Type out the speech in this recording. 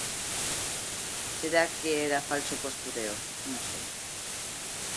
Será que era falso postureo, non sei.